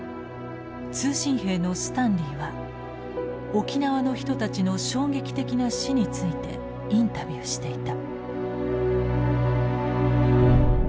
通信兵のスタンリーは沖縄の人たちの衝撃的な死についてインタビューしていた。